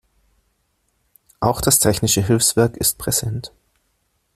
Auch das Technische Hilfswerk ist präsent.